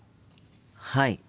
はい。